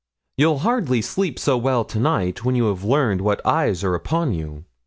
'You'll hardly sleep so well to night, when you have learned what eyes are upon you.